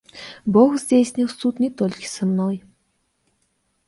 Бог здзейсніў цуд не толькі са мной.